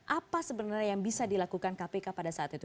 apa sebenarnya yang bisa dilakukan kpk pada saat itu